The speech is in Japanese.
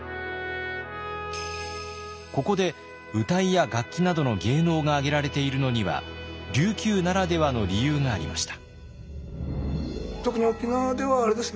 ここで謡や楽器などの芸能が挙げられているのには琉球ならではの理由がありました。